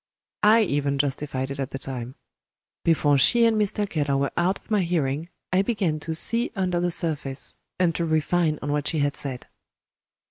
I even justified it at the time. Before she and Mr. Keller were out of my hearing, I began to see "under the surface," and "to refine" on what she had said.